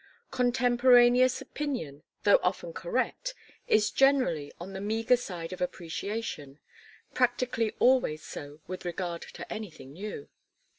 Contemporaneous opinion, though often correct, is generally on the meagre side of appreciation practically always so with regard to anything new.